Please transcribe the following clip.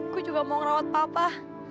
gue juga mau ngerawat papa